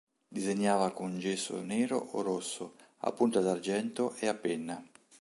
Disegnava con gesso nero o rosso, a punta d'argento e a penna.